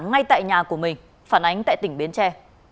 ngay tại nhà của mình phản ánh tại tỉnh bến tre